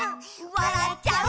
「わらっちゃう」